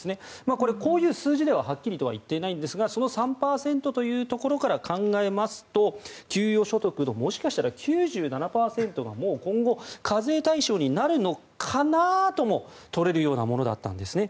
これはこういう数字でははっきりとは言っていないんですがその３％というところから考えますと給与所得のもしかしたら９７％がもう今後、課税対象になるのかなとも取れるようなものだったんです。